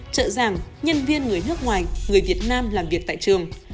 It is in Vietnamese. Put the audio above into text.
trợ giảng nhân viên người nước ngoài người việt nam làm việc tại trường